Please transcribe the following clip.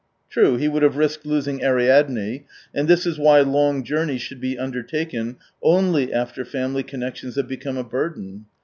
True, he would have risked losing Ariadne : and this is why long journeys should be undertaken only after famUy connections have become a burden.